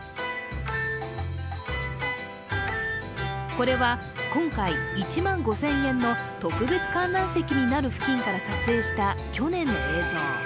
これは今回、１万５０００円の特別観覧席になる付近から撮影した去年の映像。